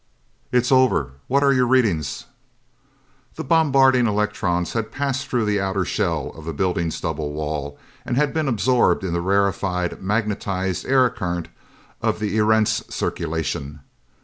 "It's over. What are your readings?" The bombarding electrons had passed through the outer shell of the building's double wall, and been absorbed in the rarefied, magnetized aircurrent of the Erentz circulation.